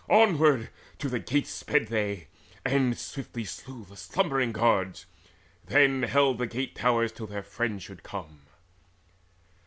Onward then to the gates Sped they,] and swiftly slew the slumbering guards, [Then held the gate towers till their friends should come.